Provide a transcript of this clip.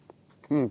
うん！